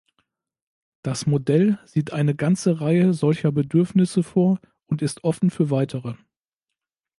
Das Modell sieht eine ganze Reihe solcher Bedürfnisse vor und ist offen für weitere.